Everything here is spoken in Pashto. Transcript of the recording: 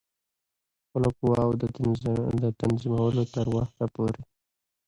خپلو قواوو د تنظیمولو تر وخته پوري.